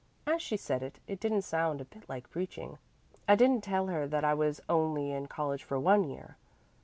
As she said it, it didn't sound a bit like preaching. "I didn't tell her that I was only in college for one year.